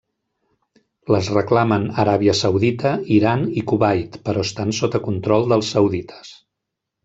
Les reclamen Aràbia Saudita, Iran i Kuwait, però estan sota control dels saudites.